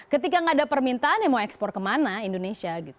ketika tidak ada permintaan mau ekspor kemana indonesia